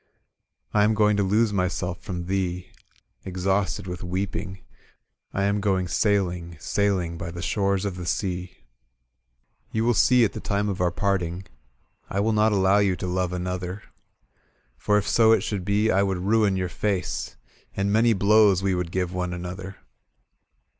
"/ am going to lose myself from thee. Exhausted with weeping; I am going sailing, saiUng, By the shores of the sea. *^You wHl see at the time of our parting I wiU not allow you to love another. For if so it should be, I would ruin your face. And many blows we would give one another.